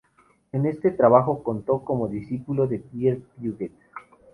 En este trabajo contó como discípulo con Pierre Puget.